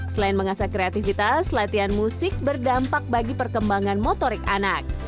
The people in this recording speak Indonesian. selain mengasah kreativitas latihan musik berdampak bagi perkembangan motorik anak